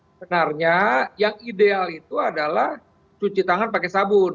sebenarnya yang ideal itu adalah cuci tangan pakai sabun